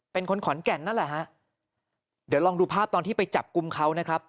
เป็นคนขอนแก่นนั่นแหละฮะเดี๋ยวลองดูภาพตอนที่ไปจับกลุ่มเขานะครับ